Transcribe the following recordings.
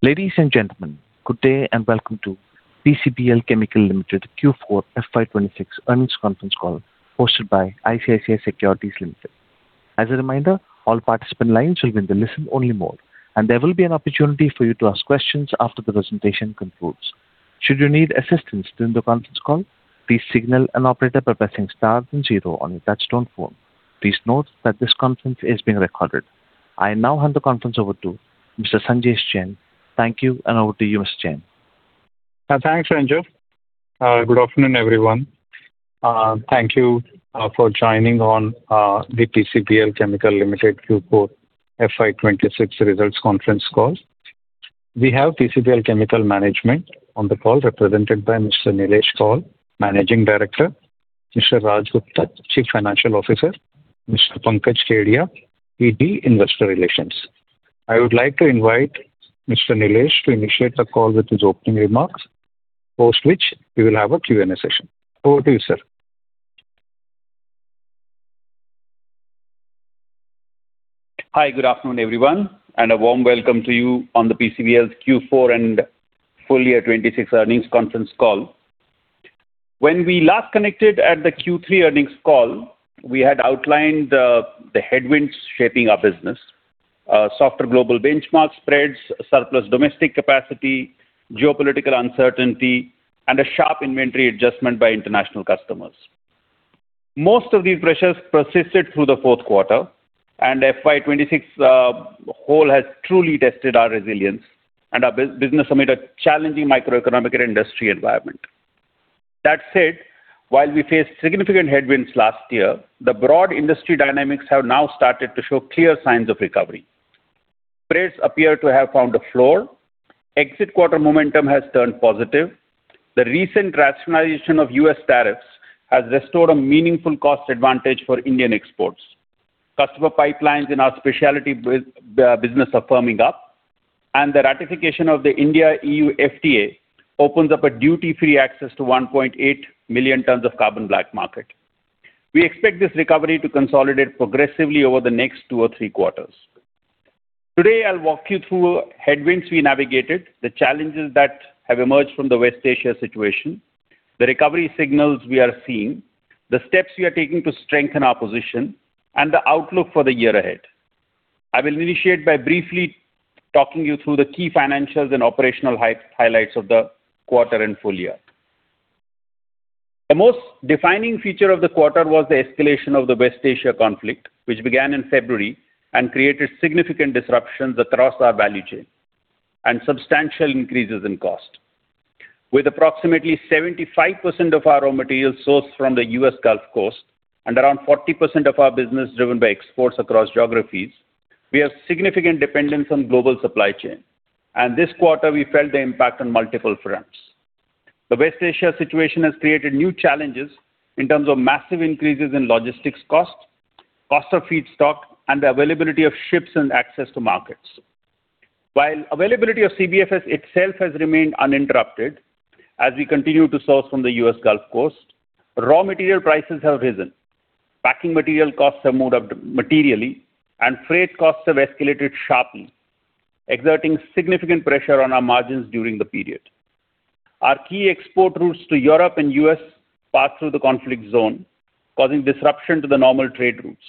Ladies and gentlemen, good day and welcome to PCBL Chemical Ltd Q4 FY 2026 Earnings Conference Call hosted by ICICI Securities Ltd. As a reminder, all participant lines will be in the listen-only mode, and there will be an opportunity for you to ask questions after the presentation concludes. Should you need assistance during the conference call, please signal an operator by pressing star then zero on your touchtone phone. Please note that this conference is being recorded. I now hand the conference over to Mr. Sanjesh Jain. Thank you, and over to you, Mr. Jain. Thanks, Ranjit. Good afternoon, everyone. Thank you for joining on the PCBL Chemical Limited Q4 FY 2026 results conference call. We have PCBL Chemical management on the call represented by Mr. Nilesh Koul, Managing Director, Mr. Raj Kumar Gupta, Chief Financial Officer, Mr. Pankaj Kedia, ED, Investor Relations. I would like to invite Mr. Nilesh to initiate the call with his opening remarks, post which we will have a Q&A session. Over to you, sir. Hi, good afternoon, everyone, a warm welcome to you on the PCBL's Q4 and Full Year 2026 Earnings Conference Call. When we last connected at the Q3 earnings call, we had outlined the headwinds shaping our business: softer global benchmark spreads, surplus domestic capacity, geopolitical uncertainty, and a sharp inventory adjustment by international customers. Most of these pressures persisted through the fourth quarter, and FY 2026 whole has truly tested our resilience and our business amid a challenging microeconomic and industry environment. That said, while we faced significant headwinds last year, the broad industry dynamics have now started to show clear signs of recovery. Trades appear to have found a floor. Exit quarter momentum has turned positive. The recent rationalization of U.S. tariffs has restored a meaningful cost advantage for Indian exports. Customer pipelines in our Specialty business are firming up. The ratification of the India-EU FTA opens up a duty-free access to 1.8 million tons of carbon black market. We expect this recovery to consolidate progressively over the next two or three quarters. Today, I'll walk you through headwinds we navigated, the challenges that have emerged from the West Asia situation, the recovery signals we are seeing, the steps we are taking to strengthen our position, and the outlook for the year ahead. I will initiate by briefly talking you through the key financials and operational highlights of the quarter and full-year. The most defining feature of the quarter was the escalation of the West Asia conflict, which began in February and created significant disruptions across our value chain and substantial increases in cost. With approximately 75% of our raw materials sourced from the U.S. Gulf Coast and around 40% of our business driven by exports across geographies, we have significant dependence on global supply chain. This quarter, we felt the impact on multiple fronts. The West Asia situation has created new challenges in terms of massive increases in logistics costs, cost of feedstock, and the availability of ships and access to markets. While availability of CBFS itself has remained uninterrupted as we continue to source from the U.S. Gulf Coast, raw material prices have risen. Packing material costs have moved up materially, and freight costs have escalated sharply, exerting significant pressure on our margins during the period. Our key export routes to Europe and U.S. pass through the conflict zone, causing disruption to the normal trade routes.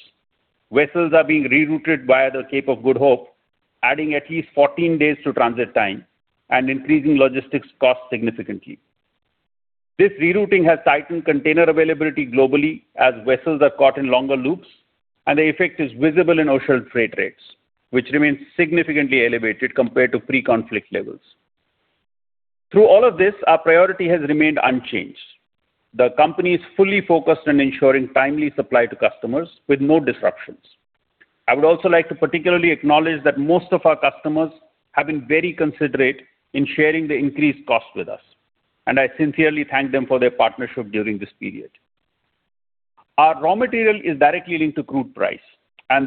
Vessels are being rerouted via the Cape of Good Hope, adding at least 14 days to transit time and increasing logistics costs significantly. The effect is visible in ocean freight rates, which remains significantly elevated compared to pre-conflict levels. Through all of this, our priority has remained unchanged. The company is fully focused on ensuring timely supply to customers with no disruptions. I would also like to particularly acknowledge that most of our customers have been very considerate in sharing the increased cost with us. I sincerely thank them for their partnership during this period. Our raw material is directly linked to crude price.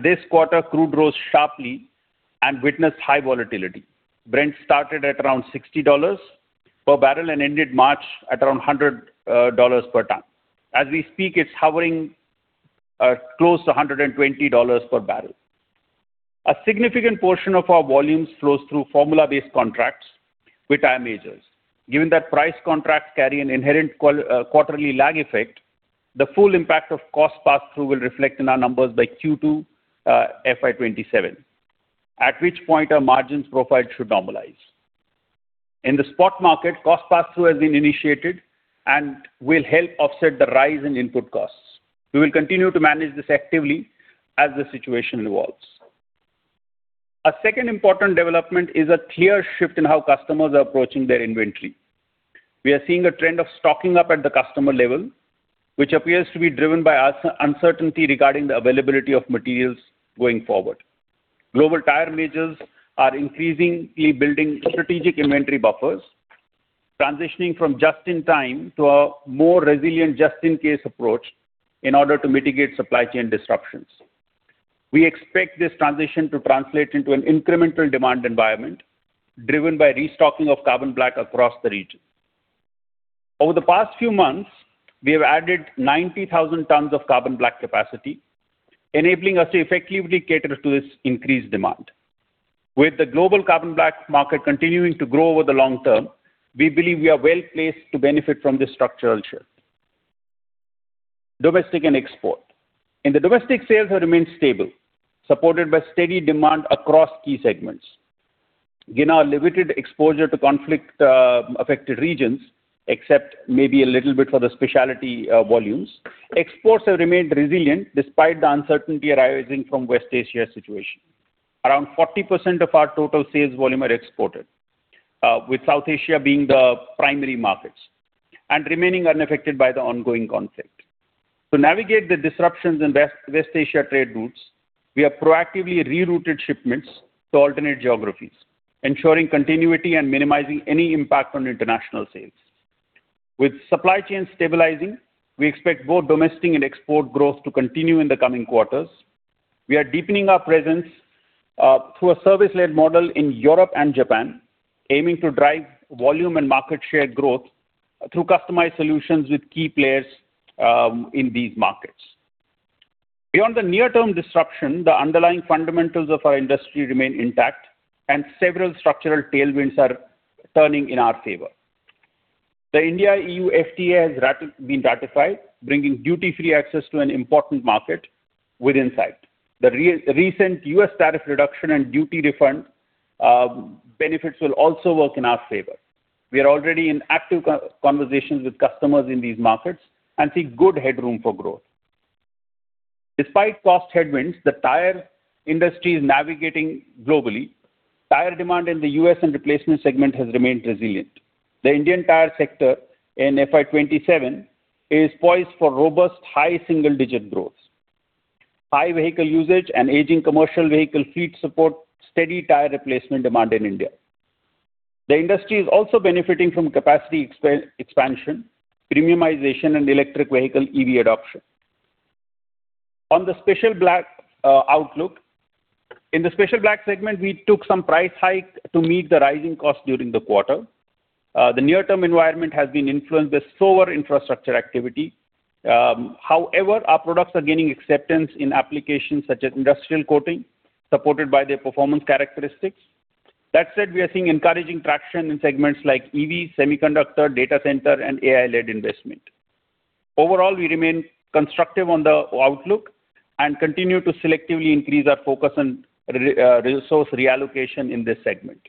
This quarter, crude rose sharply and witnessed high volatility. Brent started at around $60 per bbl and ended March at around $100 per ton. As we speak, it's hovering close to $120 per bbl. A significant portion of our volumes flows through formula-based contracts with tire majors. Given that price contracts carry an inherent quarterly lag effect, the full impact of cost passthrough will reflect in our numbers by Q2, FY 2027, at which point our margins profile should normalize. In the spot market, cost passthrough has been initiated and will help offset the rise in input costs. We will continue to manage this actively as the situation evolves. A second important development is a clear shift in how customers are approaching their inventory. We are seeing a trend of stocking up at the customer level, which appears to be driven by uncertainty regarding the availability of materials going forward. Global tire majors are increasingly building strategic inventory buffers, transitioning from just in time to a more resilient just in case approach in order to mitigate supply chain disruptions. We expect this transition to translate into an incremental demand environment driven by restocking of carbon black across the region. Over the past few months, we have added 90,000 tons of carbon black capacity, enabling us to effectively cater to this increased demand. With the global carbon black market continuing to grow over the long-term, we believe we are well-placed to benefit from this structural shift. Domestic and export. In the domestic sales have remained stable, supported by steady demand across key segments. Given our limited exposure to conflict affected regions, except maybe a little bit for the Specialty volumes, exports have remained resilient despite the uncertainty arising from West Asia situation. Around 40% of our total sales volume are exported, with South Asia being the primary markets and remaining unaffected by the ongoing conflict. To navigate the disruptions in West Asia trade routes, we have proactively rerouted shipments to alternate geographies, ensuring continuity and minimizing any impact on international sales. With supply chain stabilizing, we expect both domestic and export growth to continue in the coming quarters. We are deepening our presence through a service-led model in Europe and Japan, aiming to drive volume and market share growth through customized solutions with key players in these markets. Beyond the near-term disruption, the underlying fundamentals of our industry remain intact, several structural tailwinds are turning in our favor. The India-EU FTA has been ratified, bringing duty-free access to an important market within sight. The recent U.S. tariff reduction and duty refund benefits will also work in our favor. We are already in active conversations with customers in these markets and see good headroom for growth. Despite cost headwinds, the tire industry is navigating globally. Tire demand in the U.S. and replacement segment has remained resilient. The Indian tire sector in FY 2027 is poised for robust high-single-digit growth. High vehicle usage and aging commercial vehicle fleet support steady tire replacement demand in India. The industry is also benefiting from capacity expansion, premiumization and electric vehicle EV adoption. On the Specialty Black outlook. In the Specialty Black segment, we took some price hike to meet the rising costs during the quarter. The near-term environment has been influenced by slower infrastructure activity. However, our products are gaining acceptance in applications such as industrial coating, supported by their performance characteristics. That said, we are seeing encouraging traction in segments like EV, semiconductor, data center and AI-led investment. Overall, we remain constructive on the outlook and continue to selectively increase our focus on resource reallocation in this segment.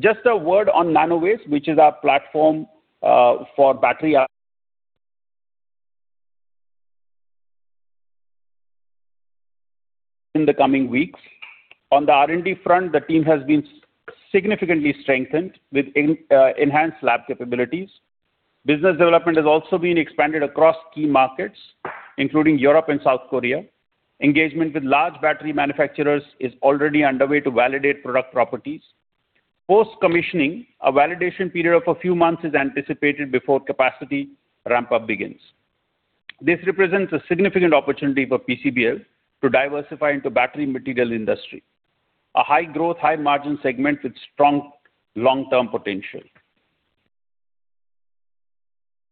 Just a word on Nanowhiz, which is our platform for battery in the coming weeks. On the R&D front, the team has been significantly strengthened with enhanced lab capabilities. Business development has also been expanded across key markets, including Europe and South Korea. Engagement with large battery manufacturers is already underway to validate product properties. Post-commissioning, a validation period of a few months is anticipated before capacity ramp-up begins. This represents a significant opportunity for PCBL to diversify into battery material industry, a high-growth, high-margin segment with strong long-term potential.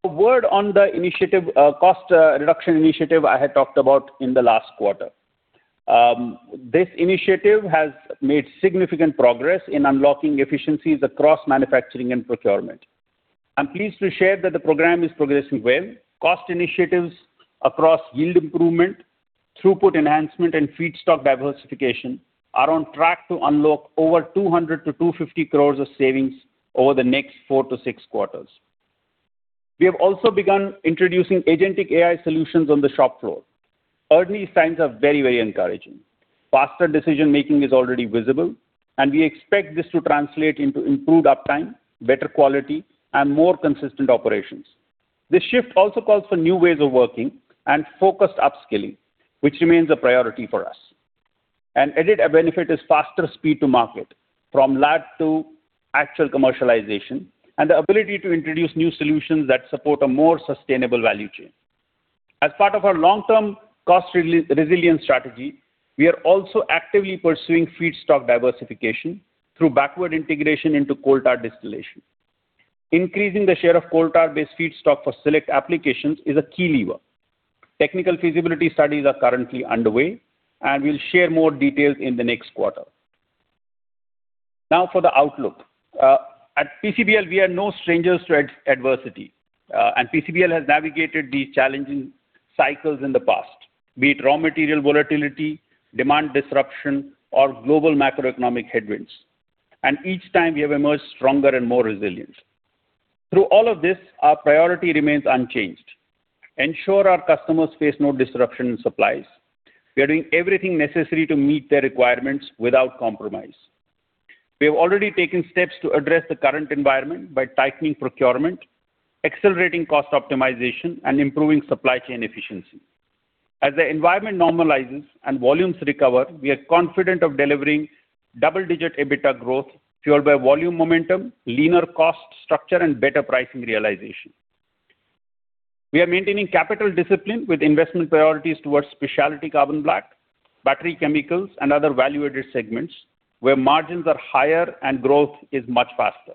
A word on the initiative, cost reduction initiative I had talked about in the last quarter. This initiative has made significant progress in unlocking efficiencies across manufacturing and procurement. I'm pleased to share that the program is progressing well. Cost initiatives across yield improvement, throughput enhancement and feedstock diversification are on track to unlock over 200 crore-250 crore of savings over the next four to six quarters. We have also begun introducing Agentic AI solutions on the shop floor. Early signs are very, very encouraging. Faster decision-making is already visible, and we expect this to translate into improved uptime, better quality and more consistent operations. This shift also calls for new ways of working and focused upskilling, which remains a priority for us. An added benefit is faster speed to market, from lab to actual commercialization, and the ability to introduce new solutions that support a more sustainable value chain. As part of our long-term cost resilience strategy, we are also actively pursuing feedstock diversification through backward integration into coal tar distillation. Increasing the share of coal tar-based feedstock for select applications is a key lever. Technical feasibility studies are currently underway, we'll share more details in the next quarter. For the outlook. At PCBL, we are no strangers to adversity, PCBL has navigated these challenging cycles in the past, be it raw material volatility, demand disruption or global macroeconomic headwinds. Each time, we have emerged stronger and more resilient. Through all of this, our priority remains unchanged. Ensure our customers face no disruption in supplies. We are doing everything necessary to meet their requirements without compromise. We have already taken steps to address the current environment by tightening procurement, accelerating cost optimization and improving supply chain efficiency. As the environment normalizes and volumes recover, we are confident of delivering double-digit EBITDA growth fueled by volume momentum, leaner cost structure and better pricing realization. We are maintaining capital discipline with investment priorities towards Specialty Black, battery chemicals and other value added segments where margins are higher and growth is much faster.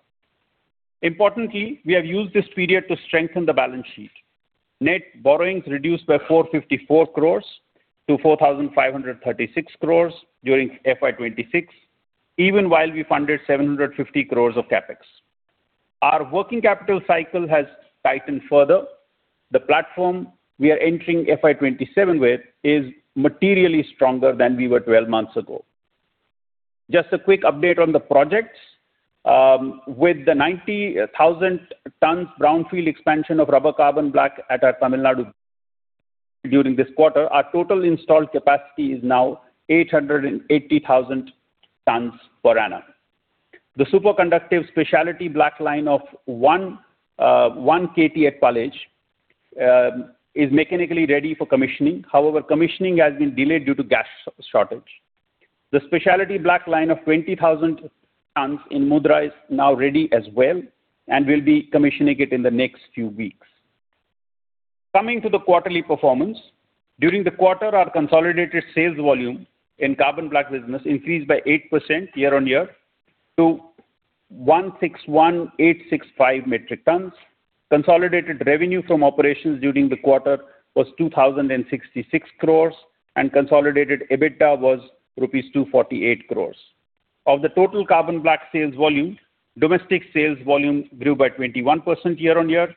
Importantly, we have used this period to strengthen the balance sheet. Net borrowings reduced by 454 crores to 4,536 crores during FY 2026, even while we funded 750 crores of CapEx. Our working capital cycle has tightened further. The platform we are entering FY 2027 with is materially stronger than we were 12 months ago. Just a quick update on the projects. With the 90,000 tons brownfield expansion of rubber carbon black at our Tamil Nadu during this quarter, our total installed capacity is now 880,000 tons per annum. The superconductive Specialty Black line of 1 KT at Palej is mechanically ready for commissioning. However, commissioning has been delayed due to gas shortage. The Specialty Black line of 20,000 tons in Mundra is now ready as well. We'll be commissioning it in the next few weeks. Coming to the quarterly performance, during the quarter our consolidated sales volume in carbon black business increased by 8% year-on-year to 161,865 metric tons. Consolidated revenue from operations during the quarter was 2,066 crores. Consolidated EBITDA was rupees 248 crores. Of the total carbon black sales volume, domestic sales volume grew by 21% year-over-year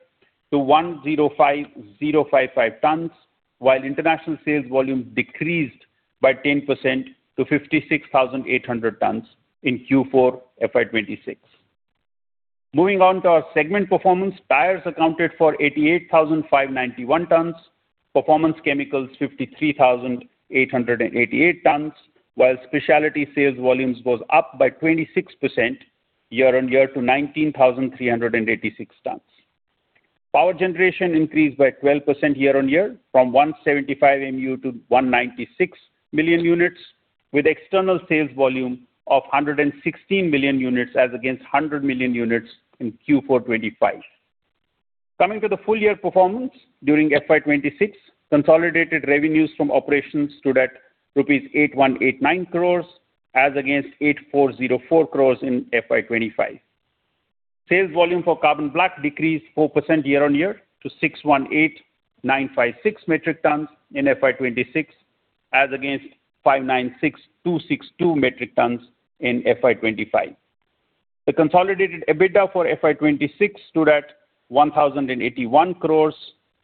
to 105,055 tons, while international sales volume decreased by 10% to 56,800 tons in Q4 FY 2026. Moving on to our segment performance, tires accounted for 88,591 tons, performance chemicals 53,888 tons, while Specialty sales volumes was up by 26% year-over-year to 19,386 tons. Power generation increased by 12% year-over-year from 175 MU to 196 MU, with external sales volume of 116 million units as against 100 million units in Q4 2025. Coming to the full-year performance during FY 2026, consolidated revenues from operations stood at rupees 8,189 crores as against 8,404 crores in FY 2025. Sales volume for carbon black decreased 4% year-on-year to 618,956 metric tons in FY 2026, as against 596,262 metric tons in FY 2025. The consolidated EBITDA for FY 2026 stood at 1,081 crores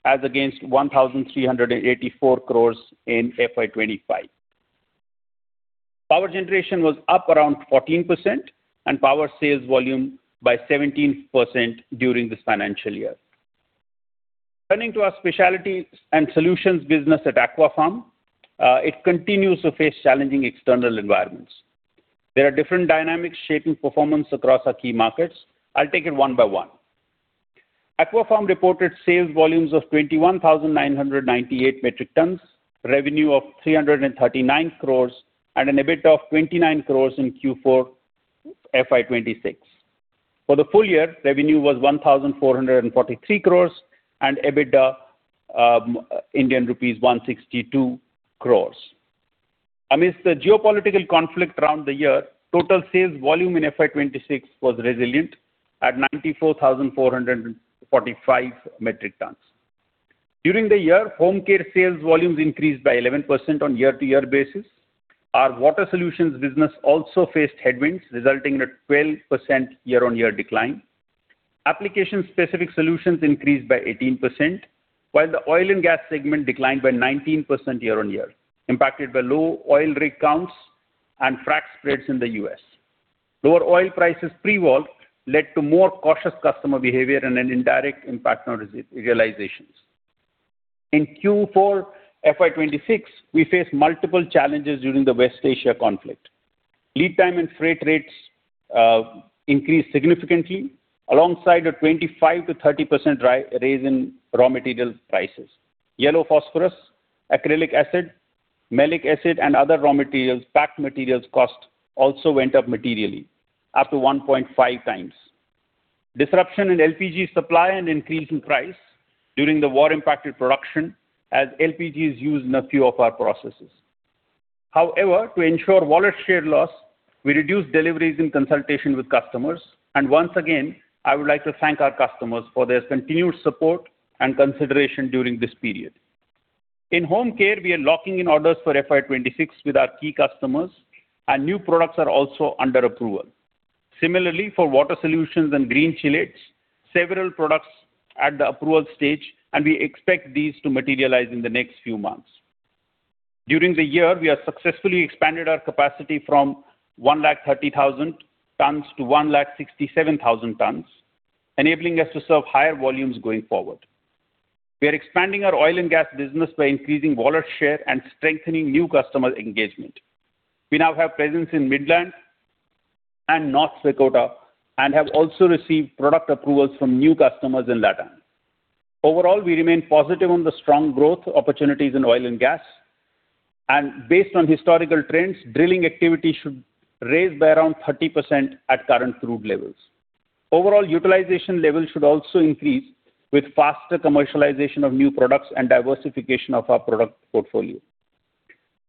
as against 1,384 crores in FY 2025. Power generation was up around 14% and power sales volume by 17% during this financial year. Turning to our specialty and solutions business at Aquapharm, it continues to face challenging external environments. There are different dynamics shaping performance across our key markets. I'll take it one by one. Aquapharm reported sales volumes of 21,998 metric tons, revenue of 339 crores and an EBITDA of 29 crores in Q4 FY26. For the full-year, revenue was 1,443 crores and EBITDA, Indian rupees 162 crores. Amidst the geopolitical conflict around the year, total sales volume in FY 2026 was resilient at 94,445 metric tons. During the year, home care sales volumes increased by 11% on year-over-year basis. Our water solutions business also faced headwinds, resulting in a 12% year-on-year decline. Application specific solutions increased by 18%, while the oil and gas segment declined by 19% year-on-year, impacted by low oil rig counts and frac spreads in the U.S. Lower oil prices pre-war led to more cautious customer behavior and an indirect impact on realizations. In Q4 FY 2026, we faced multiple challenges during the West Asia conflict. Lead time and freight rates increased significantly alongside a 25%-30% raise in raw material prices. Yellow phosphorus, Acrylic acid, maleic acid and other raw materials, packed materials cost also went up materially up to 1.5x. Disruption in LPG supply and increase in price during the war impacted production as LPG is used in a few of our processes. To ensure wallet share loss, we reduced deliveries in consultation with customers and once again, I would like to thank our customers for their continued support and consideration during this period. In home care, we are locking in orders for FY 2026 with our key customers and new products are also under approval. Similarly for water solutions and green chelates, several products at the approval stage. We expect these to materialize in the next few months. During the year, we have successfully expanded our capacity from 130,000 tons to 167,000 tons, enabling us to serve higher volumes going forward. We are expanding our oil and gas business by increasing wallet share and strengthening new customer engagement. We now have presence in Midland and North Dakota. We have also received product approvals from new customers in Latin America. Overall, we remain positive on the strong growth opportunities in oil and gas. Based on historical trends, drilling activity should raise by around 30% at current crude levels. Overall utilization levels should also increase with faster commercialization of new products and diversification of our product portfolio.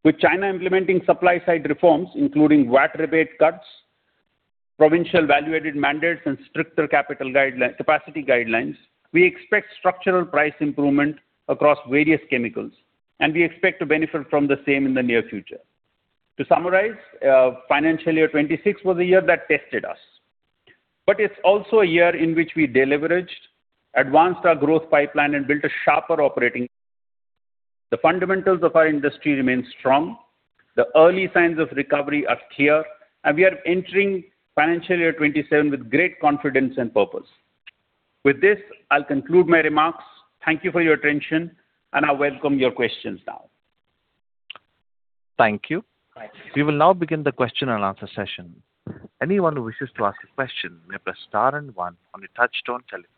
With China implementing supply side reforms, including VAT rebate cuts, provincial value-added mandates and stricter capacity guidelines, we expect structural price improvement across various chemicals, we expect to benefit from the same in the near future. To summarize, FY 2026 was a year that tested us, it's also a year in which we deleveraged, advanced our growth pipeline and built a sharper. The fundamentals of our industry remain strong. The early signs of recovery are clear, we are entering FY 2027 with great confidence and purpose. With this, I'll conclude my remarks. Thank you for your attention, I welcome your questions now. Thank you. We will now begin the question and answer session. Anyone who wishes to ask a question may press star and one on your touch-tone telephone.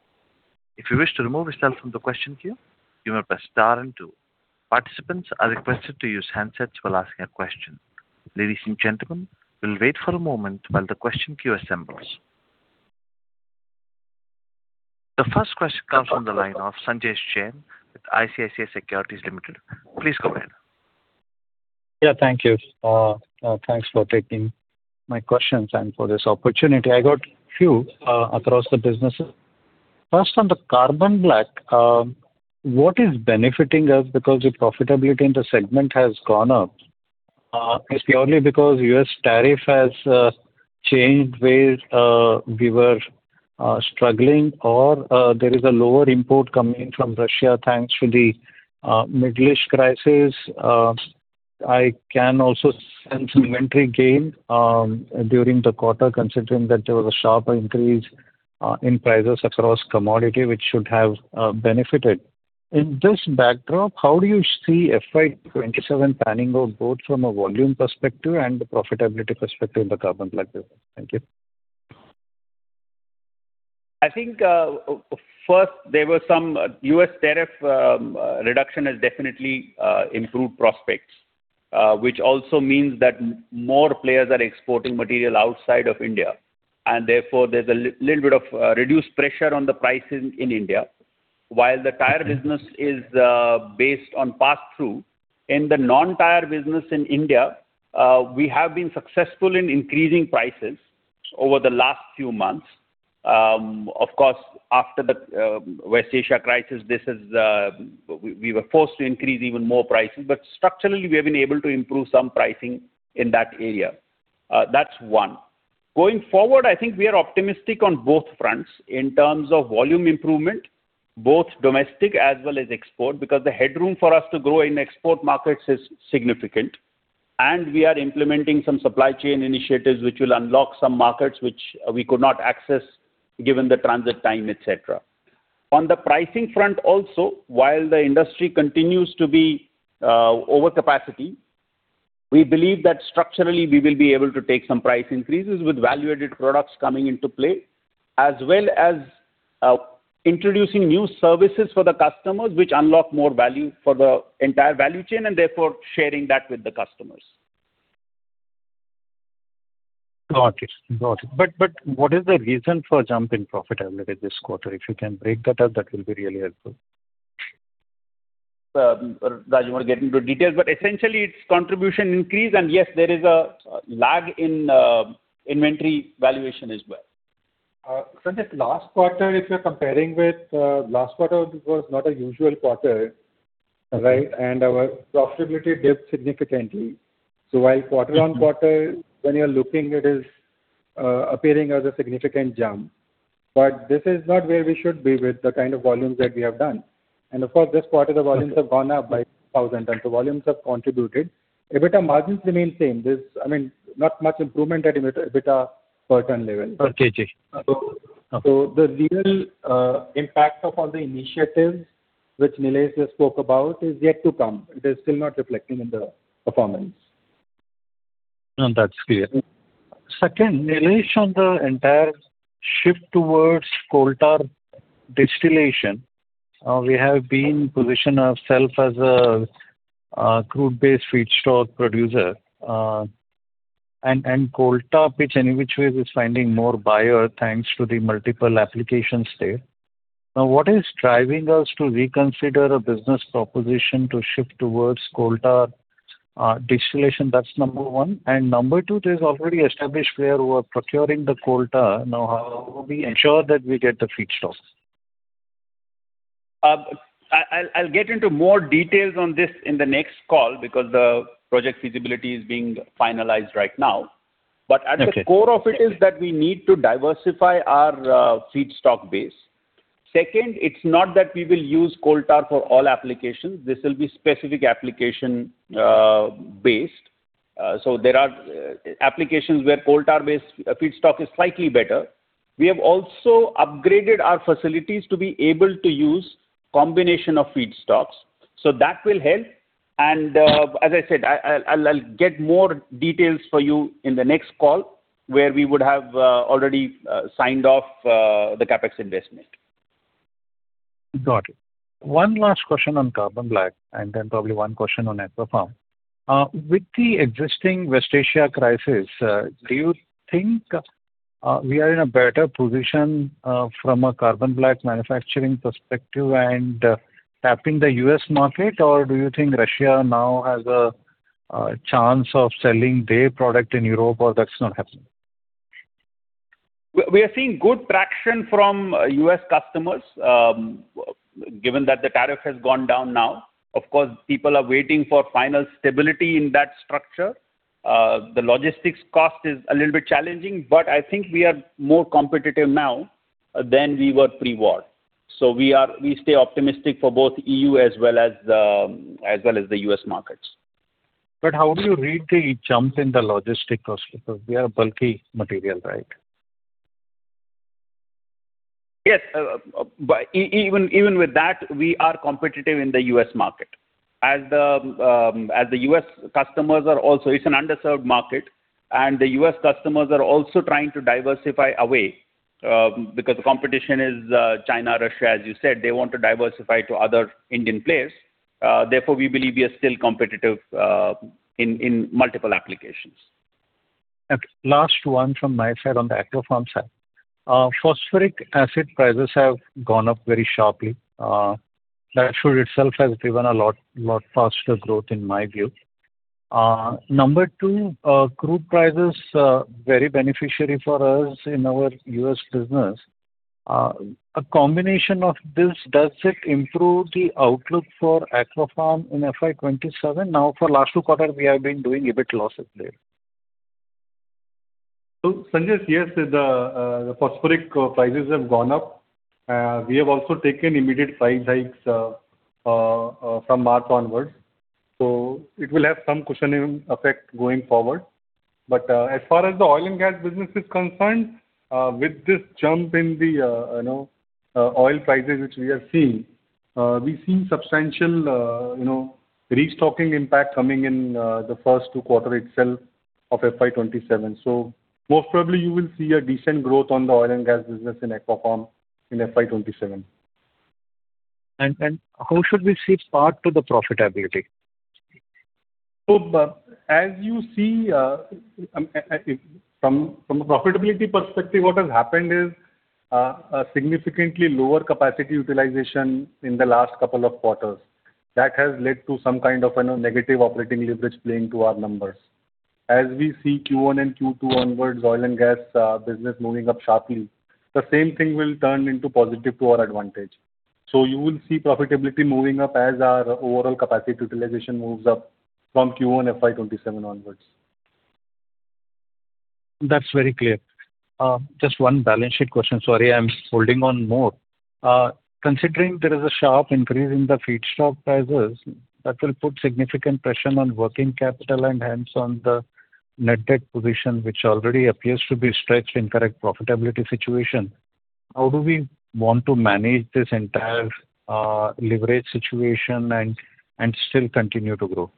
If you wish to remove yourself from the question queue, you may press star and two. Participants are requested to use handsets while asking a question. Ladies and gentlemen, we will wait for a moment while the question queue assembles. The first question comes from the line of Sanjesh Jain with ICICI Securities Ltd. Please go ahead. Yeah, thank you. Thanks for taking my questions and for this opportunity. I got few, across the businesses. First, on the carbon black, what is benefiting us because the profitability in the segment has gone up? Is purely because U.S. tariff has changed ways, we were struggling or there is a lower import coming in from Russia thanks to the Middle East crisis. I can also sense inventory gain during the quarter, considering that there was a sharp increase in prices across commodity, which should have benefited. In this backdrop, how do you see FY 2027 panning out, both from a volume perspective and the profitability perspective in the carbon black business? Thank you. I think, first, U.S. tariff reduction has definitely improved prospects, which also means that more players are exporting material outside of India, therefore there's a little bit of reduced pressure on the prices in India. While the tire business is based on passthrough, in the non-tire business in India, we have been successful in increasing prices over the last few months. Of course, after the West Asia crisis, we were forced to increase even more pricing. Structurally, we have been able to improve some pricing in that area. That's one. Going forward, I think we are optimistic on both fronts in terms of volume improvement, both domestic as well as export, because the headroom for us to grow in export markets is significant and we are implementing some supply chain initiatives which will unlock some markets which we could not access given the transit time, et cetera. On the pricing front also, while the industry continues to be over capacity, we believe that structurally we will be able to take some price increases with value-added products coming into play, as well as introducing new services for the customers which unlock more value for the entire value chain and therefore sharing that with the customers. Got it. Got it. What is the reason for jump in profitability this quarter? If you can break that up, that will be really helpful. Raj, you want to get into details, but essentially it's contribution increase and yes, there is a lag in inventory valuation as well. Sanjesh, last quarter, if you're comparing with, last quarter was not a usual quarter, right? Our profitability dipped significantly. While quarter-on-quarter, when you're looking it is appearing as a significant jump. This is not where we should be with the kind of volumes that we have done. Of course, this quarter the volumes have gone up by 2,000, volumes have contributed. EBITDA margins remain same. There's, I mean, not much improvement at EBITDA margin level. Okay. The real impact of all the initiatives which Nilesh just spoke about is yet to come. It is still not reflecting in the performance. No, that's clear. Second, Nilesh, on the entire shift towards coal tar distillation, we have been position ourself as a crude-based feedstock producer, and coal tar, which any which way is finding more buyer thanks to the multiple applications there. What is driving us to reconsider a business proposition to shift towards coal tar distillation? That's number one. Number two, there's already established player who are procuring the coal tar. How will we ensure that we get the feedstocks? I'll get into more details on this in the next call because the project feasibility is being finalized right now. Okay. At the core of it is that we need to diversify our feedstock base. Second, it's not that we will use coal tar for all applications. This will be specific application based. So there are applications where coal tar-based feedstock is slightly better. We have also upgraded our facilities to be able to use combination of feedstocks, so that will help. As I said, I'll get more details for you in the next call where we would have already signed off the CapEx investment. Got it. One last question on carbon black and then probably one question on Aquapharm. With the existing West Asia crisis, do you think we are in a better position from a carbon black manufacturing perspective and tapping the U.S. market? Do you think Russia now has a chance of selling their product in Europe or that's not happening? We are seeing good traction from U.S. customers, given that the tariff has gone down now. Of course, people are waiting for final stability in that structure. The logistics cost is a little bit challenging, but I think we are more competitive now than we were pre-war. We stay optimistic for both EU as well as the U.S. markets. How do you read the jump in the logistic cost? Because we are bulky material, right? Yes. Even with that, we are competitive in the U.S. market. It's an underserved market, and the U.S. customers are also trying to diversify away because the competition is China, Russia, as you said. They want to diversify to other Indian players. Therefore, we believe we are still competitive in multiple applications. Okay. Last one from my side on the Aquapharm side. Phosphoric acid prices have gone up very sharply. That should itself has driven a lot faster growth in my view. Number twotwo, crude prices are very beneficiary for us in our U.S. business. A combination of this, does it improve the outlook for Aquapharm in FY 2027? For last 2 quarter, we have been doing a bit losses there. Sanjesh, yes, the phosphoric prices have gone up. We have also taken immediate price hikes from March onwards, so it will have some cushioning effect going forward. As far as the oil and gas business is concerned, with this jump in the, you know, oil prices which we have seen, we've seen substantial, you know, restocking impact coming in the first two quarter itself of FY 2027. Most probably you will see a decent growth on the oil and gas business in Aquapharm in FY 2027. How should we see spark to the profitability? As you see, from a profitability perspective, what has happened is a significantly lower capacity utilization in the last couple of quarters. That has led to some kind of, you know, negative operating leverage playing to our numbers. As we see Q1 and Q2 onwards, oil and gas business moving up sharply, the same thing will turn into positive to our advantage. You will see profitability moving up as our overall capacity utilization moves up from Q1 FY 2027 onwards. That's very clear. Just one balance sheet question. Sorry, I'm holding on more. Considering there is a sharp increase in the feedstock prices, that will put significant pressure on working capital and hence on the net debt position, which already appears to be stretched in current profitability situation. How do we want to manage this entire leverage situation and still continue to grow?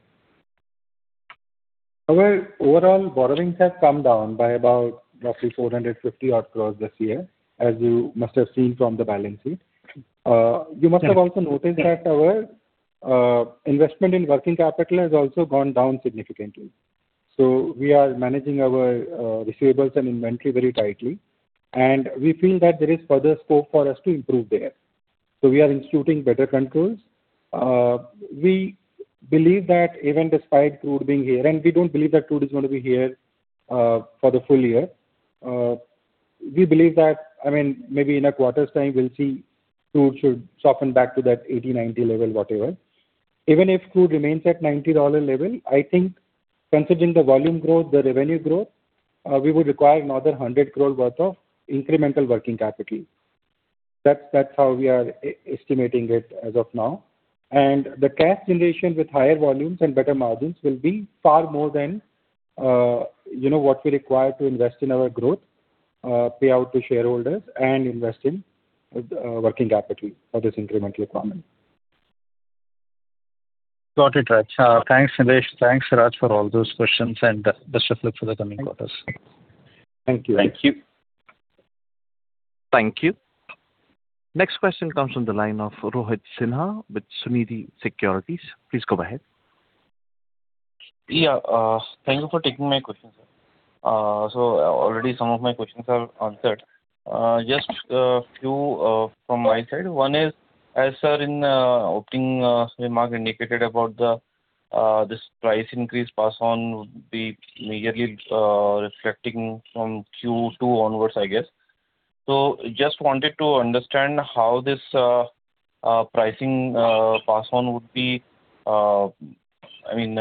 Our overall borrowings have come down by about roughly 450 crore this year, as you must have seen from the balance sheet. You must have also noticed that our investment in working capital has also gone down significantly. We are managing our receivables and inventory very tightly, and we feel that there is further scope for us to improve there. We are instituting better controls. We believe that even despite crude being here, and we don't believe that crude is gonna be here for the full-year. We believe that, I mean, maybe in a quarter's time we'll see crude should soften back to that 80, 90 level, whatever. Even if crude remains at $90 level, I think considering the volume growth, the revenue growth, we would require another 100 crore worth of incremental working capital. That's how we are estimating it as of now. The cash generation with higher volumes and better margins will be far more than, you know, what we require to invest in our growth, pay out to shareholders and invest in working capital for this incremental requirement. Got it, Raj. Thanks, Nilesh. Thanks, Raj, for all those questions, and best of luck for the coming quarters. Thank you. Thank you. Thank you. Next question comes from the line of Rohit Sinha with Sunidhi Securities. Please go ahead. Yeah. Thank you for taking my question, sir. Already some of my questions are answered. Just few from my side. One is, as sir in opening remark indicated about the this price increase pass on would be majorly reflecting from Q2 onwards, I guess. Just wanted to understand how this pricing pass on would be, I mean,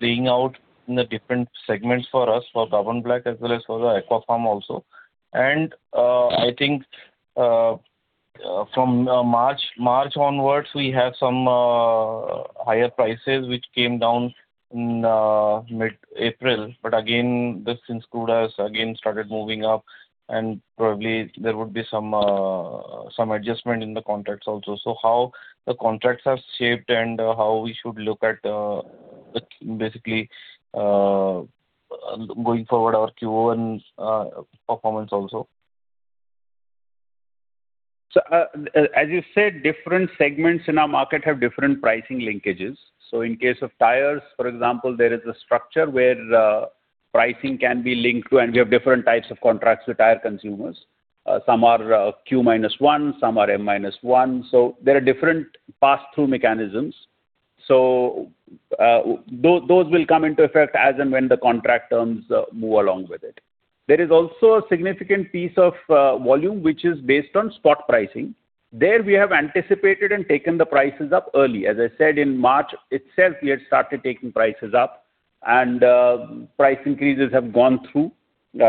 playing out in the different segments for us, for carbon black as well as for the Aquapharm also. I think from March onwards, we have some higher prices which came down in mid-April. Again, this since crude has again started moving up, and probably there would be some adjustment in the contracts also. How the contracts are shaped and, how we should look at, the basically, going forward our Q1 performance also. As you said, different segments in our market have different pricing linkages. In case of tires, for example, there is a structure where pricing can be linked to, and we have different types of contracts with tire consumers. Some are Q-1, some are M-1. There are different pass-through mechanisms. Those will come into effect as and when the contract terms move along with it. There is also a significant piece of volume which is based on spot pricing. There we have anticipated and taken the prices up early. As I said, in March itself we had started taking prices up and price increases have gone through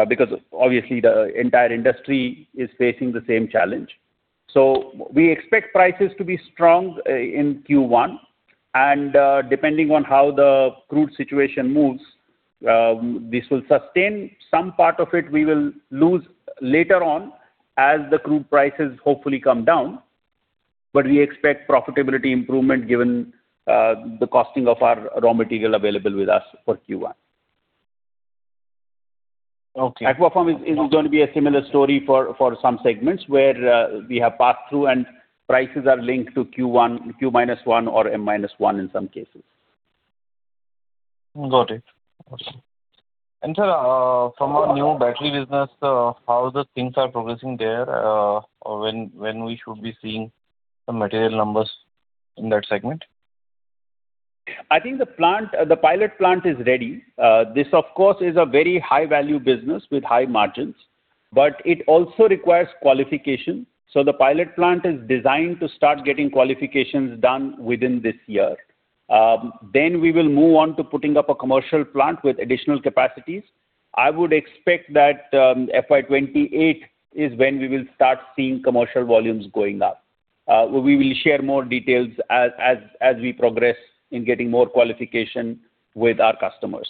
because obviously the entire industry is facing the same challenge. We expect prices to be strong in Q1 and, depending on how the crude situation moves, this will sustain. Some part of it we will lose later on as the crude prices hopefully come down. We expect profitability improvement given the costing of our raw material available with us for Q1. Okay. Aquapharm is going to be a similar story for some segments where we have passed through and prices are linked to Q-1 or M-1 in some cases. Got it. Got it. Sir, from our new battery business, how the things are progressing there? When we should be seeing some material numbers in that segment? I think the plant, the pilot plant is ready. This of course, is a very high value business with high margins, but it also requires qualification. The pilot plant is designed to start getting qualifications done within this year. We will move on to putting up a commercial plant with additional capacities. I would expect that, FY 2028 is when we will start seeing commercial volumes going up. We will share more details as we progress in getting more qualification with our customers.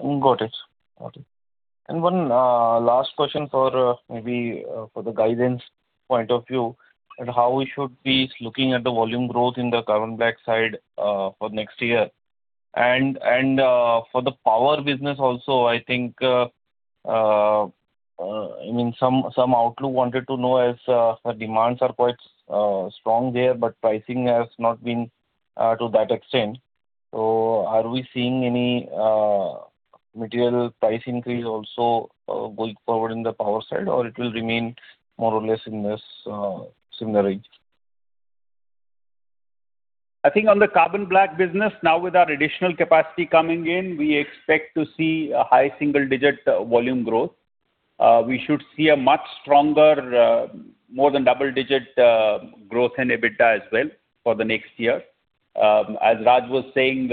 Got it. Got it. One last question for, maybe, for the guidance point of view and how we should be looking at the volume growth in the carbon black side for next year. For the power business also, I think, I mean, some outlook wanted to know as demands are quite strong there, but pricing has not been to that extent. Are we seeing any material price increase also going forward in the power side, or it will remain more or less in this similar range? I think on the carbon black business now with our additional capacity coming in, we expect to see a high-single-digit volume growth. We should see a much stronger, more than double-digit growth in EBITDA as well for the next year. As Raj was saying,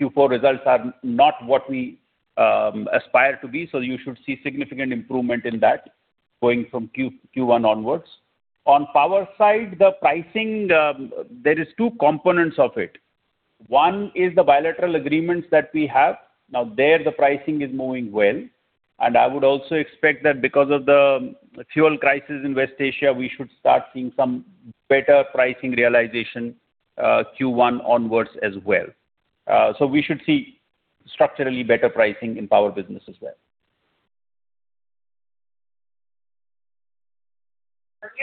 Q4 results are not what we aspire to be, so you should see significant improvement in that going from Q1 onwards. On power side, the pricing, there is two components of it. One is the bilateral agreements that we have. There the pricing is moving well, and I would also expect that because of the fuel crisis in West Asia, we should start seeing some better pricing realization Q1 onwards as well. We should see structurally better pricing in power business as well.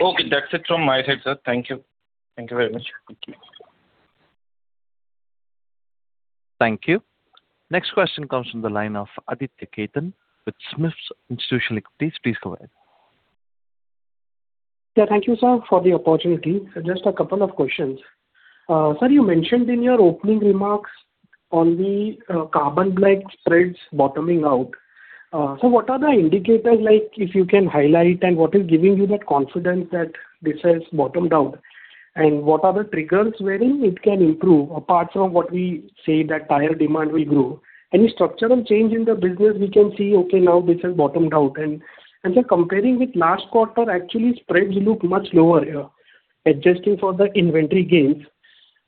Okay, that's it from my side, sir. Thank you. Thank you very much. Thank you. Thank you. Next question comes from the line of Aditya Khetan with SMIFS Institutional Equities. Please go ahead. Yeah, thank you, sir, for the opportunity. Just a couple of questions. Sir, you mentioned in your opening remarks on the carbon black spreads bottoming out. What are the indicators like if you can highlight and what is giving you that confidence that this has bottomed out? What are the triggers wherein it can improve apart from what we say that tire demand will grow? Any structural change in the business we can see, okay, now this has bottomed out. Sir, comparing with last quarter, actually spreads look much lower here, adjusting for the inventory gains.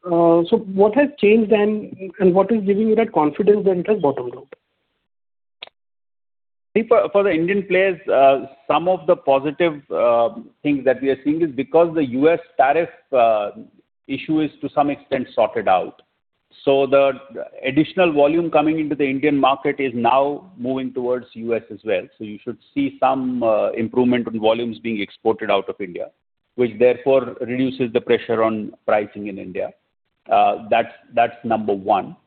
What has changed and what is giving you that confidence that it has bottomed out? See, for the Indian players, some of the positive things that we are seeing is because the U.S. tariff issue is to some extent sorted out. The additional volume coming into the Indian market is now moving towards U.S. as well. You should see some improvement on volumes being exported out of India, which therefore reduces the pressure on pricing in India. That's number one.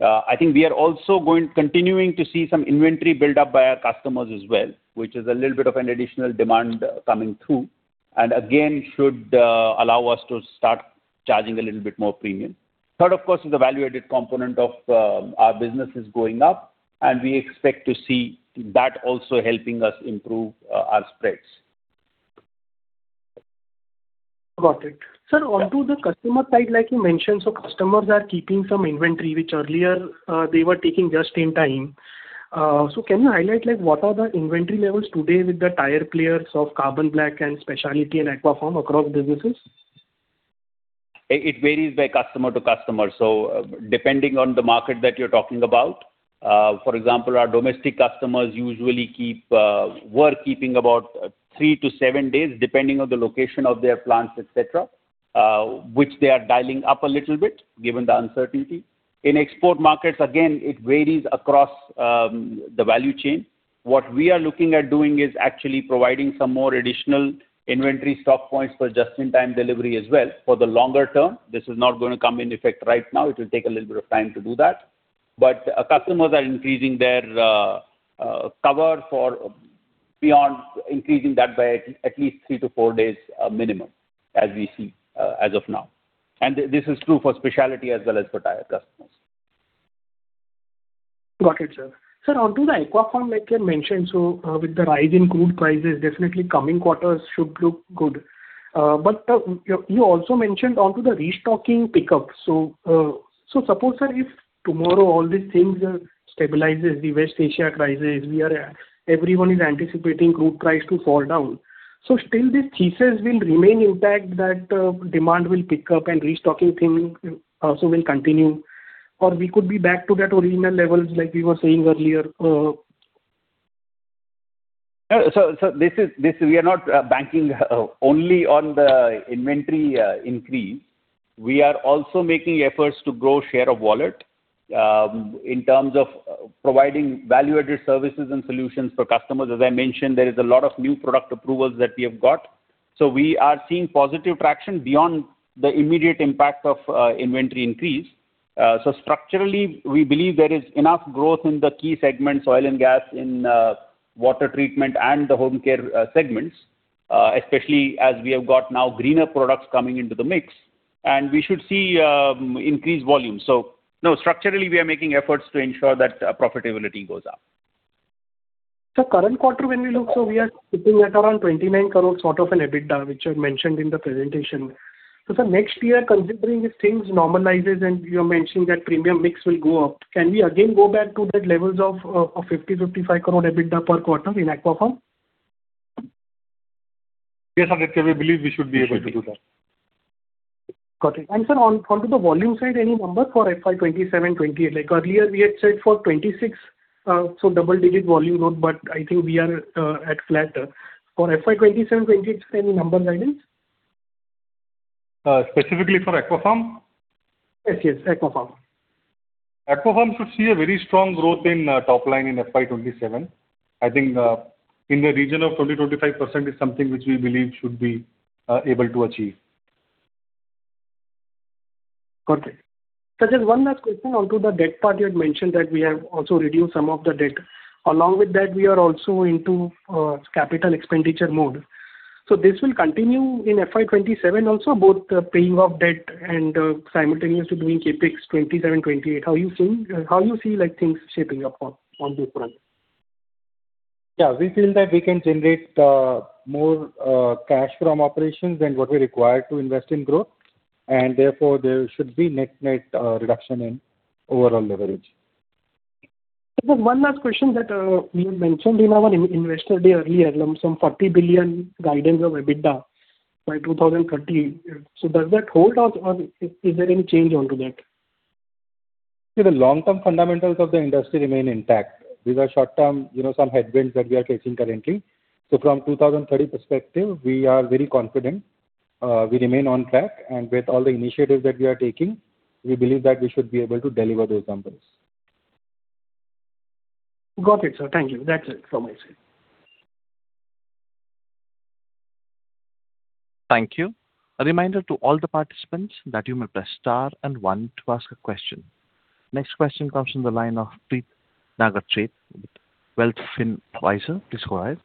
I think we are also continuing to see some inventory build up by our customers as well, which is a little bit of an additional demand coming through and again, should allow us to start charging a little bit more premium. Third, of course, is the value-added component of our business is going up and we expect to see that also helping us improve our spreads. Got it. Sir, onto the customer side, like you mentioned, customers are keeping some inventory which earlier they were taking just in time. Can you highlight like what are the inventory levels today with the tire players of carbon black and specialty and Aquapharm across businesses? It varies by customer-to-customer. Depending on the market that you're talking about. For example, our domestic customers usually keep, were keeping about three-seven days, depending on the location of their plants, etc., which they are dialing up a little bit given the uncertainty. In export markets, again, it varies across the value chain. What we are looking at doing is actually providing some more additional inventory stock points for just-in-time delivery as well for the longer-term. This is not gonna come in effect right now. It will take a little bit of time to do that. Customers are increasing their cover for beyond increasing that by at least three-four days, minimum as we see as of now. This is true for Specialty as well as for tire customers. Got it, sir. Sir, onto the Aquapharm, like you had mentioned, with the rise in crude prices, definitely coming quarters should look good. You also mentioned onto the restocking pickup. Suppose, sir, if tomorrow all these things stabilizes, the West Asia crisis, everyone is anticipating crude price to fall down. Still these thesis will remain intact, that demand will pick up and restocking thing also will continue, or we could be back to that original levels like we were saying earlier. No. So this is, we are not banking only on the inventory increase. We are also making efforts to grow share of wallet in terms of providing value-added services and solutions for customers. As I mentioned, there is a lot of new product approvals that we have got. We are seeing positive traction beyond the immediate impact of inventory increase. Structurally, we believe there is enough growth in the key segments, oil and gas, in water treatment and the home care segments, especially as we have got now greener products coming into the mix. We should see increased volume. No, structurally, we are making efforts to ensure that profitability goes up. Sir, current quarter when we look, we are sitting at around 29 crore, sort of an EBITDA, which you had mentioned in the presentation. Sir, next year, considering if things normalizes and you're mentioning that premium mix will go up, can we again go back to that levels of 50 crore- 55 crore EBITDA per quarter in Aquapharm? Yes, Aditya, we believe we should be able to do that. Got it. Sir, onto the volume side, any number for FY 2027, 2028? Like earlier we had said for 2026, so double-digit volume growth, but I think we are at flat. For FY 2027, 2028, any number guidance? Specifically for Aquapharm? Yes, yes, Aquapharm. Aquapharm should see a very strong growth in top-line in FY 2027. I think in the region of 20%-25% is something which we believe should be able to achieve. Got it. Sir, just one last question onto the debt part. You had mentioned that we have also reduced some of the debt. Along with that, we are also into capital expenditure mode. This will continue in FY 2027 also, both paying off debt and simultaneously doing CapEx 2027, 2028. How you feel, how you see like things shaping up on this front? Yeah. We feel that we can generate more cash from operations than what we require to invest in growth, therefore, there should be net reduction in overall leverage. Sir, one last question that you had mentioned in our in-investor day earlier, some 40 billion guidance of EBITDA by 2030. Does that hold or is there any change onto that? See, the long-term fundamentals of the industry remain intact. These are short-term, you know, some headwinds that we are facing currently. From 2030 perspective, we are very confident, we remain on track. With all the initiatives that we are taking, we believe that we should be able to deliver those numbers. Got it, sir. Thank you. That is it from my side. Thank you. A reminder to all the participants that you may press star and one to ask a question. Next question comes from the line of Prit Nagersheth with Wealth Finvisor. Please go ahead.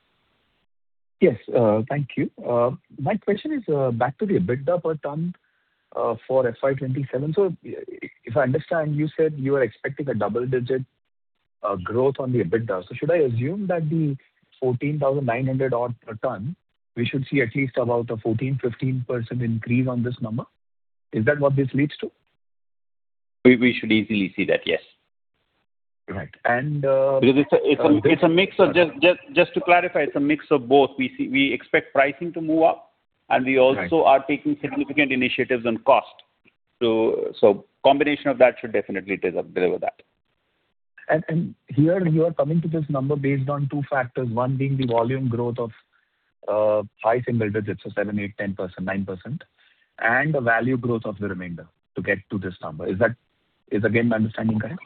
Yes, thank you. My question is back to the EBITDA per ton for FY 2027. If I understand, you said you are expecting a double-digit growth on the EBITDA. Should I assume that the 14,900 odd per ton, we should see at least about a 14%-15% increase on this number? Is that what this leads to? We should easily see that, yes. Right. It's a mix of, just to clarify, it's a mix of both. We expect pricing to move up. Right. We also are taking significant initiatives on cost. Combination of that should definitely deliver that. Here you are coming to this number based on two factors. One being the volume growth of high single digits, so 7%, 8%, 10%, 9%, and the value growth of the remainder to get to this number. Is again my understanding correct?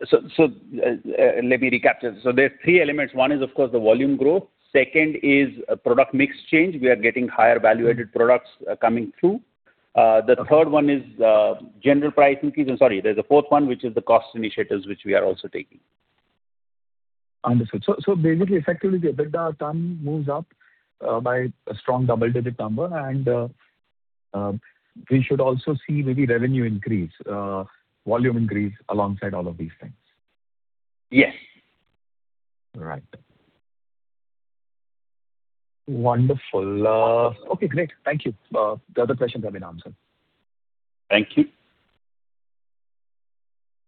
Let me recap this. There are three elements. One is, of course, the volume growth. Second is, product mix change. We are getting higher value-added products coming through. Okay. The third one is general price increases. I'm sorry, there's a fourth one, which is the cost initiatives, which we are also taking. Understood. Basically, effectively, the EBITDA ton moves up by a strong double-digit number and we should also see maybe revenue increase, volume increase alongside all of these things. Yes. All right. Wonderful. Okay, great. Thank you. The other questions have been answered. Thank you.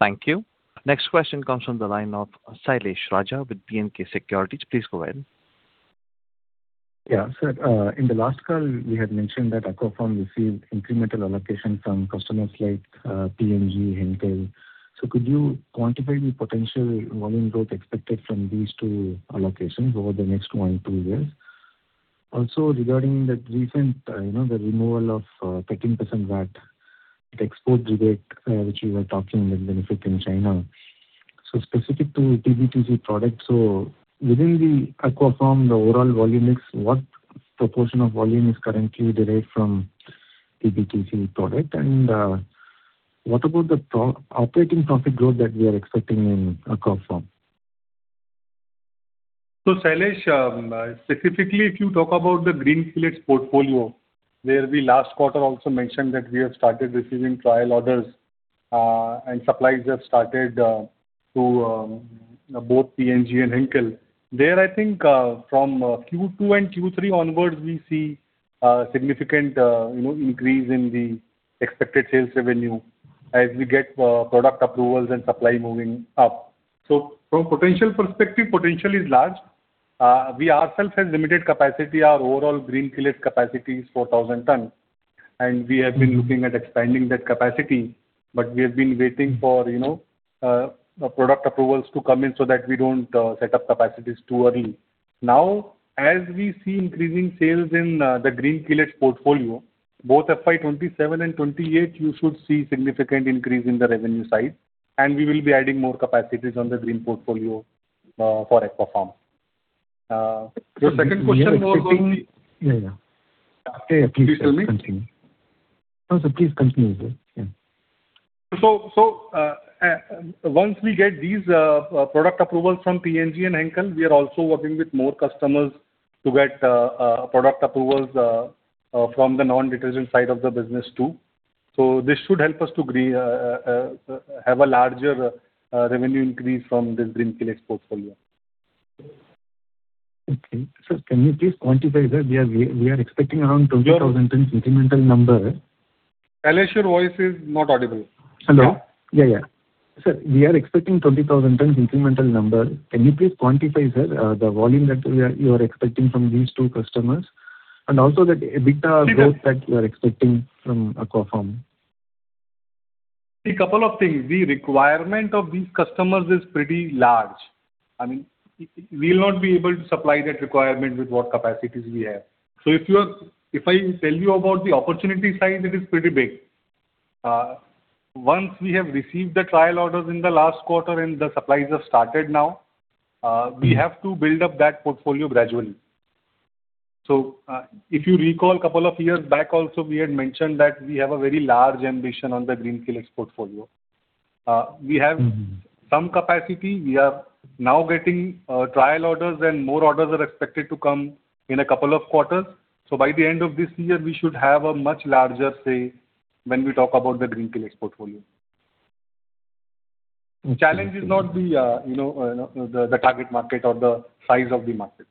Thank you. Next question comes from the line of Sailesh Raja with B&K Securities. Please go ahead. Yeah. In the last call, we had mentioned that Aquapharm received incremental allocation from customers like P&G, Henkel. Could you quantify the potential volume growth expected from these two allocations over the next one, two years? Also regarding the recent, you know, the removal of 13% VAT, the export rebate, which you were talking will benefit in China. Specific to DBTC products, within the Aquapharm, the overall volume mix, what proportion of volume is currently derived from DBTC product? What about the operating profit growth that we are expecting in Aquapharm? Sailesh, specifically if you talk about the green fillers portfolio, where we last quarter also mentioned that we have started receiving trial orders, and supplies have started to both P&G and Henkel. There, I think, from Q2 and Q3 onwards, we see significant, you know, increase in the expected sales revenue as we get product approvals and supply moving-up. From potential perspective, potential is large. We ourself have limited capacity. Our overall green fillers capacity is 4,000 tons, and we have been looking at expanding that capacity, but we have been waiting for, you know, product approvals to come in so that we don't set up capacities too early. As we see increasing sales in the green fillers portfolio, both FY 2027 and 2028 you should see significant increase in the revenue side, and we will be adding more capacities on the green portfolio, for Aquapharm. The second question was. Yeah, yeah. Please tell me. Please continue. No, sir, please continue, sir. Yeah. Once we get these product approvals from P&G and Henkel, we are also working with more customers to get product approvals from the non-detergent side of the business too. This should help us to have a larger revenue increase from this green fillers portfolio. Okay. Sir, can you please quantify, sir? We are expecting around 20,000 tons incremental number. Sailesh, your voice is not audible. Hello? Yeah, yeah. Sir, we are expecting 20,000 tons incremental number. Can you please quantify, sir, the volume that you are expecting from these two customers, and also the EBITDA growth that you are expecting from Aquapharm? Couple of things. The requirement of these customers is pretty large. I mean, we will not be able to supply that requirement with what capacities we have. If I tell you about the opportunity size, it is pretty big. Once we have received the trial orders in the last quarter and the supplies have started now, we have to build up that portfolio gradually. If you recall, couple of years back also we had mentioned that we have a very large ambition on the green fillers portfolio. We have some capacity. We are now getting trial orders, and more orders are expected to come in a couple of quarters. By the end of this year, we should have a much larger say when we talk about the green fillers portfolio. Challenge is not the, you know, the target market or the size of the market.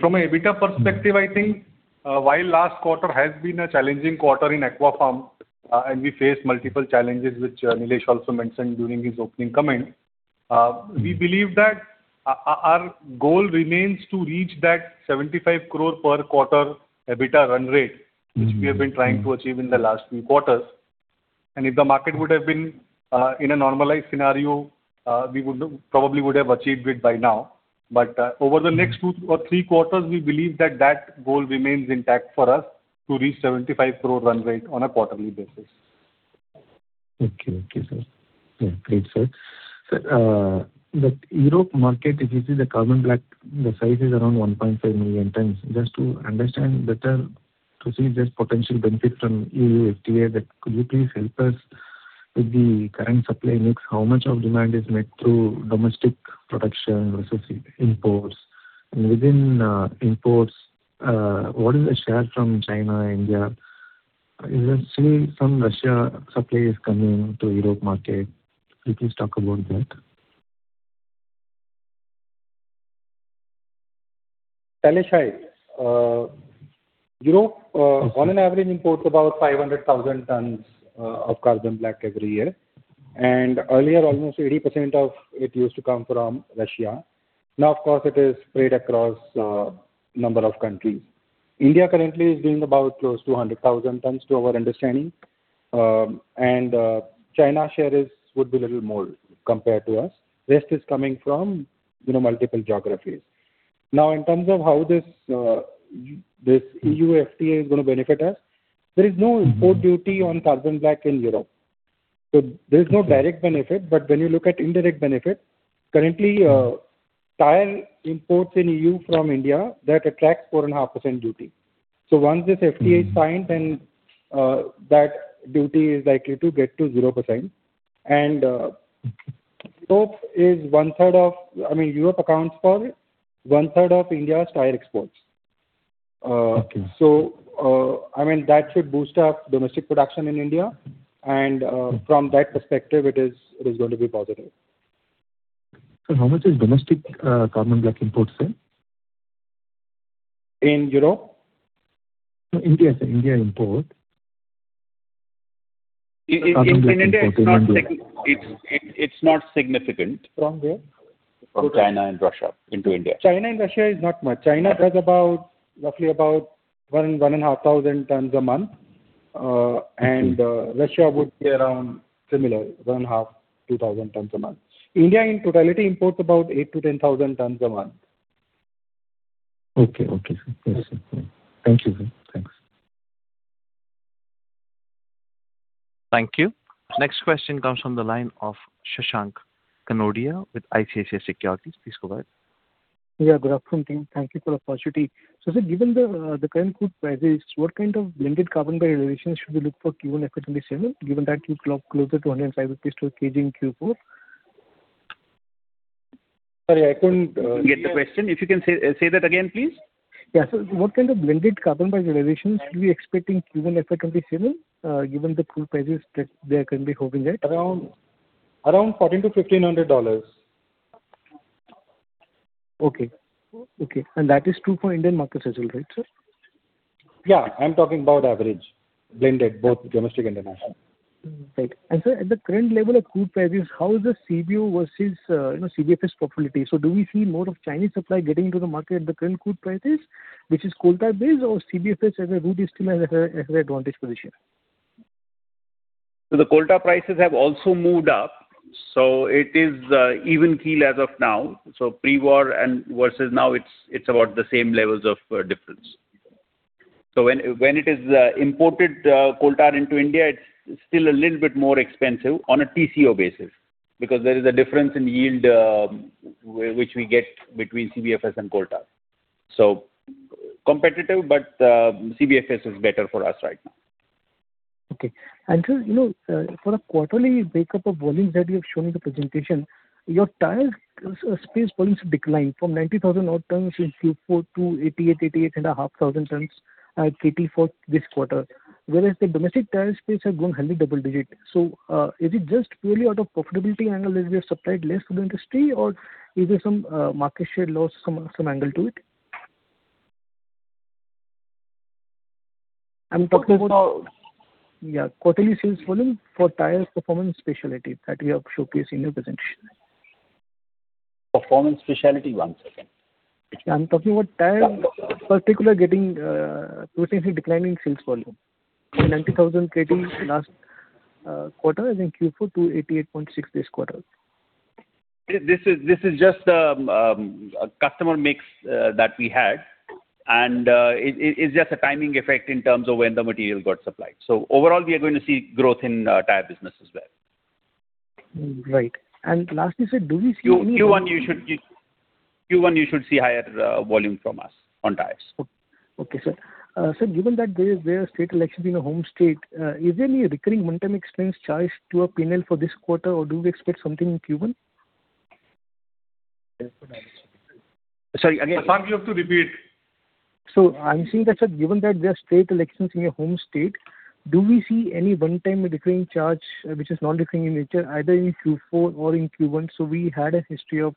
From a EBITDA perspective, I think, while last quarter has been a challenging quarter in Aquapharm, and we faced multiple challenges which, Nilesh also mentioned during his opening comment. We believe that our goal remains to reach that 75 crore per quarter EBITDA run-rate. Which we have been trying to achieve in the last few quarters. If the market would have been in a normalized scenario, we would probably would have achieved it by now. Over the next two or three quarters, we believe that that goal remains intact for us to reach 75 crore run rate on a quarterly basis. Okay. Okay, sir. Great, sir. Sir, the Europe market, if you see the carbon black, the size is around 1.5 million tons. Just to understand better to see this potential benefit from EU FTA that could you please help us with the current supply mix, how much of demand is met through domestic production versus imports? Within imports, what is the share from China, India? Is there, say, some Russia supply is coming to Europe market? Could you please talk about that? Sailesh, hi. Europe, on an average imports about 500,000 tons of carbon black every year. Earlier, almost 80% of it used to come from Russia. Now, of course, it is spread across a number of countries. India currently is doing about close to 100,000 tons to our understanding. China share would be little more compared to us. Rest is coming from, you know, multiple geographies. In terms of how this EU FTA is gonna benefit us, there is no import duty on carbon black in Europe. There is no direct benefit. When you look at indirect benefit, currently, tire imports in EU from India, that attracts 4.5% duty. Once this FTA is signed, then that duty is likely to get to 0%. I mean Europe accounts for 1/3 of India's tire exports. Okay. I mean, that should boost up domestic production in India and from that perspective, it is going to be positive. Sir, how much is domestic, carbon black imports, sir? In Europe? No, India, sir. India import. It's not significant. From where? From China and Russia into India. China and Russia is not much. China does about, roughly about 1,000 tons-1,500 tons a month. Russia would be around similar, 1,500 tons-2,000 tons a month. India in totality imports about 8,000 tons-10,000 tons a month. Okay, okay. Yes. Thank you. Thanks. Thank you. Next question comes from the line of Shashank Kanodia with ICICI Securities. Please go ahead. Yeah, good afternoon, team. Thank you for the opportunity. Given the current crude prices, what kind of blended carbon price realization should we look for Q1 FY 2027, given that you clocked closer to 105 rupees to a kg in Q4? Sorry, I couldn't get the question. If you can say that again, please. Yeah. What kind of blended carbon price realization should we expect in Q1 FY 2027, given the crude prices that they're currently hovering at? Around $1,400-$1,500. Okay. Okay. That is true for Indian markets as well, right, sir? Yeah, I'm talking about average, blended, both domestic and international. Right. Sir, at the current level of crude prices, how is the CBO versus, you know, CBFS profitability? Do we see more of Chinese supply getting into the market at the current crude prices, which is coal tar based or CBFS as a route is still at an advantage position? The coal tar prices have also moved up, so it is even keel as of now. Pre-war and versus now it's about the same levels of difference. When it is imported coal tar into India, it's still a little bit more expensive on a TCO basis because there is a difference in yield which we get between CBFS and coal tar. Competitive, but CBFS is better for us right now. Okay. Sir, you know, for a quarterly breakup of volumes that you have shown in the presentation, your tires, space volumes declined from 90,000 odd tons in Q4 to 88,500 tons at KT for this quarter, whereas the domestic tire space has grown highly double-digit. Is it just purely out of profitability angle that we have supplied less to the industry or is there some, market share loss, some angle to it? I'm talking about. Yeah, quarterly sales volume for tires performance specialty that you have showcased in your presentation. Performance specialty. One second. Yeah, I'm talking about tire particular getting potentially declining sales volume from 90,000 KT last quarter in Q4 to 88.6 this quarter. This is just a customer mix that we had and it's just a timing effect in terms of when the material got supplied. Overall, we are going to see growth in tire business as well. Right. Lastly, sir, do we see any. Q1 you should see higher volume from us on tires. Okay, sir. Given that there are state elections in your home state, is there any recurring one-time expense charge to your P&L for this quarter, or do we expect something in Q1? Sorry, again. Shashank, you have to repeat. I'm saying that, sir, given that there are state elections in your home state, do we see any one-time recurring charge which is non-recurring in nature either in Q4 or in Q1? We had a history of,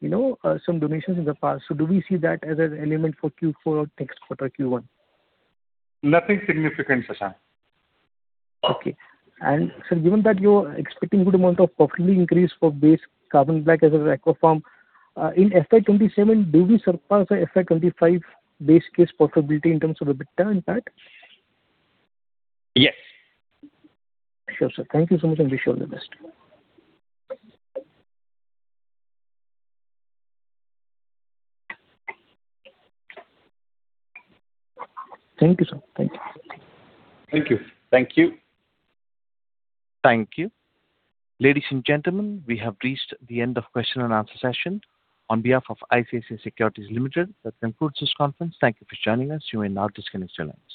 you know, some donations in the past. Do we see that as an element for Q4 or next quarter Q1? Nothing significant, Shashank. Okay. Sir, given that you're expecting good amount of profitability increase for base carbon black as a platform, in FY 2027, do we surpass the FY 2025 base case profitability in terms of the EBITDA impact? Yes. Sure, sir. Thank you so much, and wish you all the best. Thank you, sir. Thank you. Thank you. Thank you. Thank you. Ladies and gentlemen, we have reached the end of question and answer session. On behalf of ICICI Securities Limited, that concludes this conference. Thank you for joining us. You may now disconnect your lines.